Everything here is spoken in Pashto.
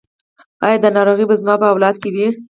ایا دا ناروغي به زما په اولاد کې وي؟